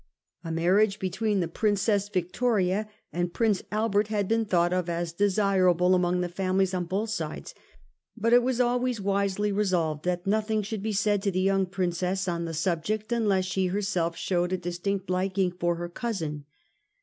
A marriage between the Princess Victoria and Prince Albert had been thought of as desirable among the families on both sides, but it was always wisely resolved that nothing should be said to the young Princess on the subject unless she her self showed a distinct liking for her cousin.